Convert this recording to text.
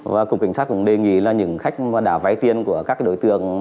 và cục cảnh sát cũng đề nghị là những khách đã vay tiền của các đối tượng